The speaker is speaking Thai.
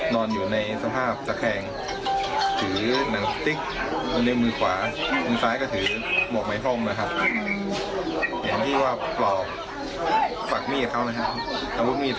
ก็คาดว่าจะใช้อาวุธมีดของคนตายก็ได้มีการฝันเพราะเราหาไม่เจอ